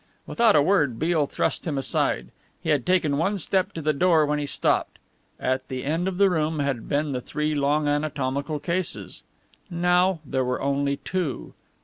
Without a word Beale thrust him aside. He had taken one step to the door when he stopped: At the end of the room had been the three long anatomical cases. Now there were only two.